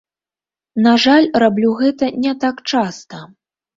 На жаль, раблю гэта не так часта.